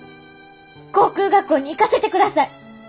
航空学校に行かせてください。